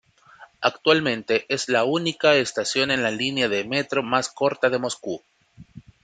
Actualmente es la única estación en la línea de metro más corta de Moscú.